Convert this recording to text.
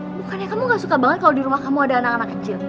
bukannya kamu gak suka banget kalau di rumah kamu ada anak anak kecil